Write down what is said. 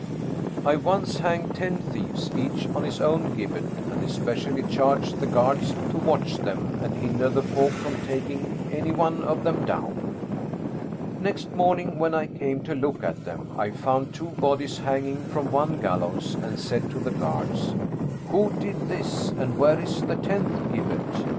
"I once hanged ten thieves each on his own gibbet, and especially charged the guards to watch them and hinder the folk from taking any one of them down. Next morning when I came to look at them, I found two bodies hanging from one gallows and said to the guards, 'Who did this, and where is the tenth gibbet?'